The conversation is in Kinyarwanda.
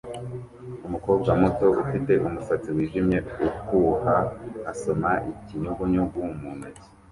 Umukobwa muto ufite umusatsi wijimye uhuha asoma ikinyugunyugu mu ntoki